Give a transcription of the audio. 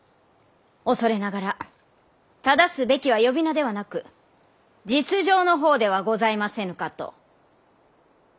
恐れながら正すべきは呼び名ではなく実情のほうではございませぬかと。